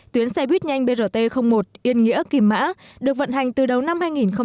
tuyến xe buýt nhanh brt một yên nghĩa kim mã được vận hành từ đầu năm hai nghìn một mươi tám